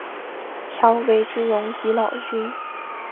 强为之容即老君。